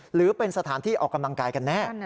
หรือเป็นสถานที่ออกกำลังกายกันแน่